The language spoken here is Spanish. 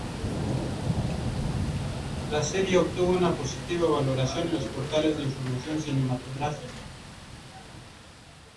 La serie obtuvo una positiva valoración en los portales de información cinematográfica.